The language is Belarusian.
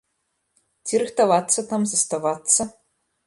Ці рыхтавацца там заставацца?